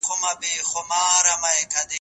دقيق پلان جوړونه څه ګټه لري؟